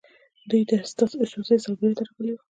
دوی د استاد یوسفزي سالګرې ته راغلي وو.